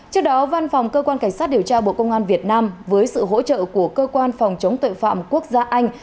trước đó văn phòng cơ quan cảnh sát điều tra bộ công an việt nam với sự hỗ trợ của cơ quan phòng chống tội phạm quốc gia anh